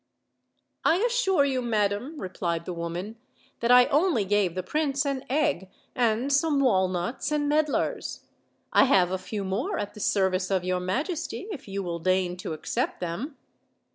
"I assure you, madam," replied the woman, "that I only gave the prince an egg, and some walnuts and med lars. I have a few more at the service of your majesty, if you will deign to accept them."